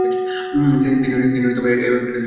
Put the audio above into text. তিনি এ উইকেটের জন্য উপযোগী।